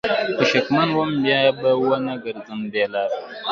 خو شکمن وم بیا به ونه ګرځم دې لار ته